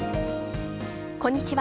こんにちは。